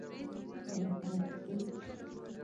کابل هوا په ژمی کی چټله وی